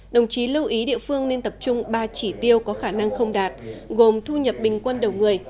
đồng chí lưu ý địa phương nên tập trung ba chỉ tiêu có khả năng không đạt gồm thu nhập bình quân đầu người